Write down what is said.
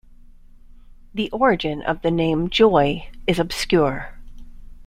The origin of the name "Joy" is obscure.